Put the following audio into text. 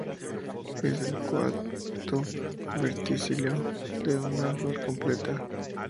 Es el cuarto verticilo en una flor completa.